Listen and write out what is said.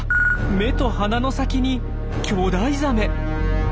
目と鼻の先に巨大ザメ。